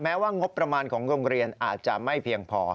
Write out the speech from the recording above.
ว่างบประมาณของโรงเรียนอาจจะไม่เพียงพอ